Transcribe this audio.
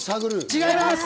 違います。